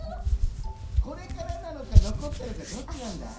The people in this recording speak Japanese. これからなのかのこったのかどっちなんだい？